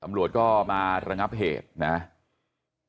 ตำรวจก็มาระงับเหตุนะครับ